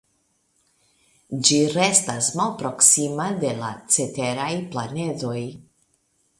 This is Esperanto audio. Ĝi restas malproksima de la ceteraj planedoj.